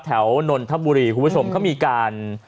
นนทบุรีคุณผู้ชมเขามีการ